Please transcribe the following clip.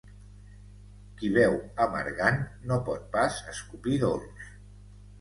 Qui beu amargant no pot pas escopir dolç.